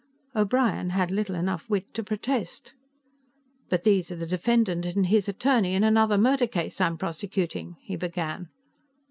O'Brien had little enough wit to protest. "But these are the defendant and his attorney in another murder case I'm prosecuting," he began.